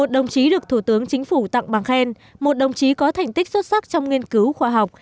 một đồng chí được thủ tướng chính phủ tặng bằng khen một đồng chí có thành tích xuất sắc trong nghiên cứu khoa học